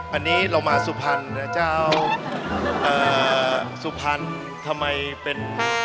อันนี้เรามาสุภัณฑ์นะเจ้าสุภัณฑ์ทำไมเป็น